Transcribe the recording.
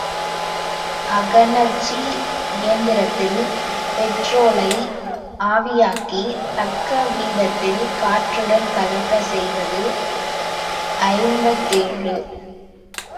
அகக்கனற்சி எந்திரத்தில் பெட்ரோலை ஆவியாக்கித் தக்க வீதத்தில் காற்றுடன் கலக்கச் செய்வது ஐம்பத்தேழு.